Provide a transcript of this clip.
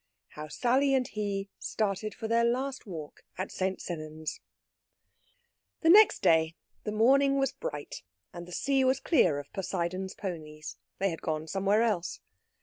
HOW SALLY AND HE STARTED FOR THEIR LAST WALK AT ST. SENNANS The next day the morning was bright and the sea was clear of Poseidon's ponies. They had gone somewhere else.